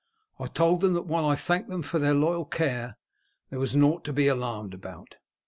I told them that while I thanked them for their loyal care, there was nought to be alarmed about.